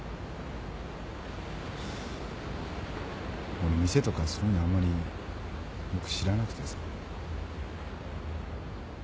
俺店とかそういうのあんまりよく知らなくてさ。